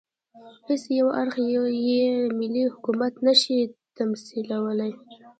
هېڅ یو اړخ یې ملي حکومت نه شي تمثیلولای.